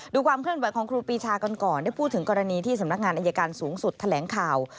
ความเคลื่อนไหวของครูปีชากันก่อนได้พูดถึงกรณีที่สำนักงานอายการสูงสุดแถลงข่าว